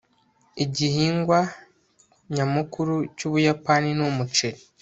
igihingwa nyamukuru cyubuyapani ni umuceri